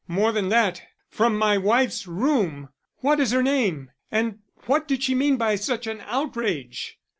More than that, from my wife's room. What is her name and what did she mean by such an outrage?"